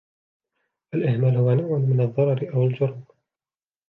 الإهمال هو نوع من الضرر أو الجرم